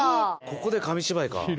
ここで紙芝居か。